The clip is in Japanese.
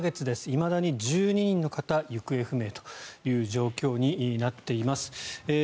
いまだに１２人の方が行方不明という状況になっています。